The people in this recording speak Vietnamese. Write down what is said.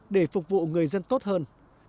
để phục vụ người dân tốt hơn